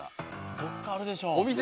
どっかあるでしょ。